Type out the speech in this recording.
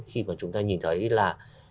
khi mà chúng ta nhìn thấy là